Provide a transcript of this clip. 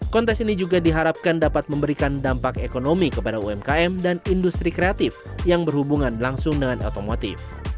kontes ini juga diharapkan dapat memberikan dampak ekonomi kepada umkm dan industri kreatif yang berhubungan langsung dengan otomotif